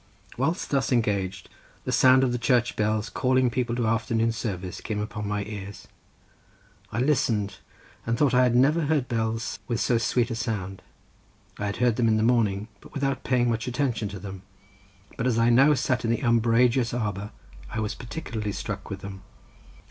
Whilst thus engaged the sound of the church bells calling people to afternoon service, came upon my ears. I listened and thought I had never heard bells with so sweet a sound. I had heard them in the morning, but without paying much attention to them, but as I now sat in the umbrageous arbour I was particularly struck with them.